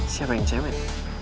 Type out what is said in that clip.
siapa yang cemen